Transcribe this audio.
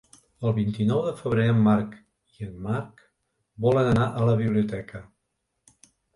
El vint-i-nou de febrer en Marc i en Marc volen anar a la biblioteca.